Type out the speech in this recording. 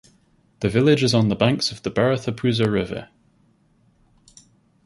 The village is on the banks of the Bharathappuzha river.